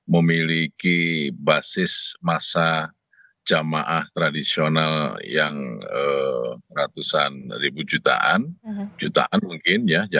memiliki basis masa jamaah tradisional yang ratusan ribu jutaan jutaan mungkin ya